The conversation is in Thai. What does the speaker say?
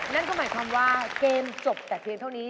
นั่นก็หมายความว่าเกมจบแต่เพียงเท่านี้